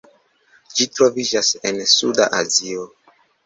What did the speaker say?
Ĝi troviĝas en Suda Azio.